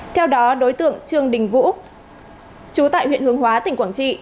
theo đó đối tượng trương đình vũ chú tại huyện hướng hóa tỉnh quảng trị